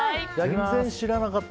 全然知らなかった。